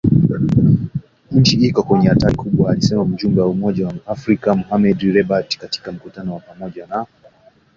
nchi iko kwenye hatari kubwa alisema mjumbe wa Umoja wa Afrika, Mohamed Lebatt katika mkutano wa pamoja na